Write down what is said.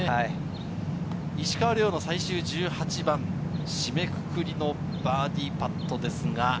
石川遼の最終１８番、締めくくりのバーディーパットです。